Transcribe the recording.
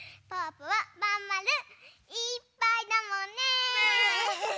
ぽはまんまるいっぱいだもんね！ね！